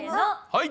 はい！